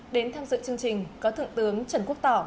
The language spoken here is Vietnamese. đến tham dự chương trình có thượng tướng trần quốc tỏ